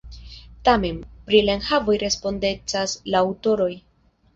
Tamen, pri la enhavoj respondecas la aŭtoroj.